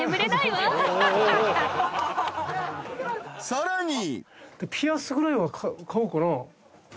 ［さらに］